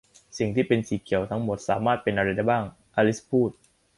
'สิ่งที่เป็นสีเขียวทั้งหมดสามารถเป็นอะไรได้บ้าง ?' อลิซพูด